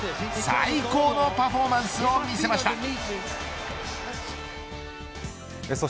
最高のパフォーマンスを見せました。